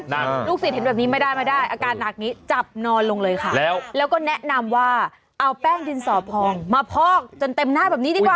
อคุณผลักษณ์ลูกสิทธิปแบบนี้ไม่ได้อาการหนักจับนอนลงเลยนะแล้วก็แนะนำว่าเอาแป้งดินสอบพองมาพอกจนเต็มหน้าแบบนี้ดีกว่า